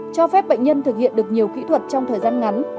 cho phép bệnh nhân thực hiện được nhiều kỹ thuật trong thời gian ngắn